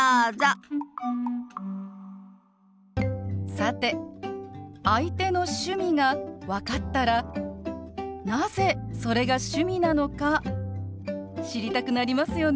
さて相手の趣味が分かったらなぜそれが趣味なのか知りたくなりますよね。